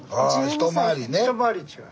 一回り違う。